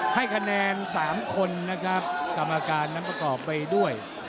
ให้คะแนน๓คนนะครับกรรมการนั้นประกอบไปด้วย